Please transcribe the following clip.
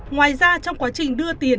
ngoài ra trong quá trình đưa tiền